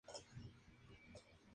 La ciudad capital es Portsmouth.